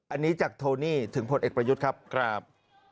อันนี้จากโทนี่ถึงผลเอกประยุทธ์ครับครับ